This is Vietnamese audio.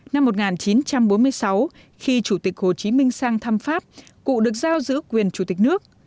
năm một nghìn chín trăm bốn mươi sáu khi chủ tịch hồ chí minh sang thăm pháp cụ được giao giữ quyền chủ tịch nước